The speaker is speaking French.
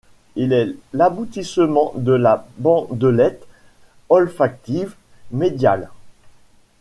Il est l’aboutissement de la bandelette olfactive médiale.